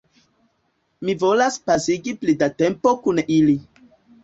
Mi volas pasigi pli da tempo kun ili